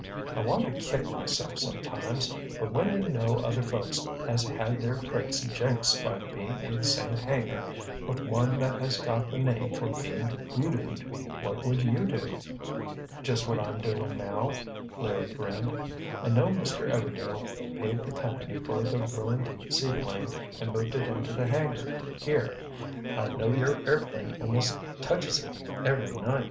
"I want to kick myself sometimes—but when you know other folks has had their crates 'jinxed' by being in the same hangar with one that has got the name for being hoodooed—what would you do?" "Just what I'm doing now," Larry grinned. "I know Mr. Everdail paid the company for the ruined seaplane and moved it into the hangar, here. I know your airplane almost touches it, every night.